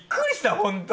本当。